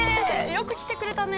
よく来てくれたね。